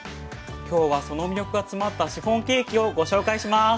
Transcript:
今日はその魅力が詰まったシフォンケーキをご紹介します。